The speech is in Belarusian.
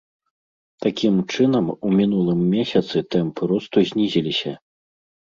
Такім чынам у мінулым месяцы тэмпы росту знізіліся.